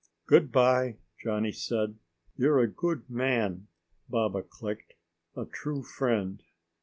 "Goodbye," Johnny said. "You are a good man," Baba clicked. "A true friend!"